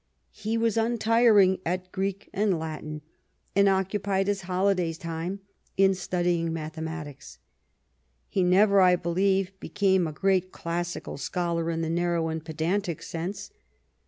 He was untiring at Greek and Latin, and occupied his holiday time in studying mathematics. He never, I believe, became a great classical scholar in the narrow and pedantic sense.